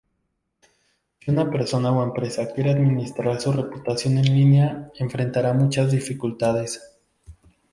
Si una persona o empresa quiere administrar su reputación en línea, enfrentará muchas dificultades.